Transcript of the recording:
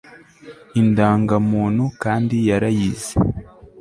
indangamuntu kandi yarayize